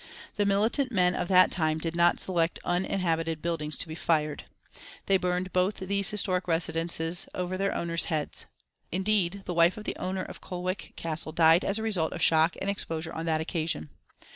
The militant men of that time did not select uninhabited buildings to be fired. They burned both these historic residences over their owners' heads. Indeed, the wife of the owner of Colwick Castle died as a result of shock and exposure on that occasion.